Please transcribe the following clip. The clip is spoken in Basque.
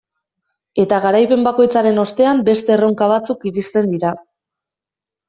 Eta garaipen bakoitzaren ostean beste erronka batzuk iristen dira.